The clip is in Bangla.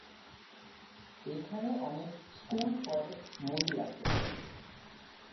এখানে অনেক স্কুল, কলেজ, মন্দির আছে।